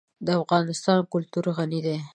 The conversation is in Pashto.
د افغانستان کلتور غني دی.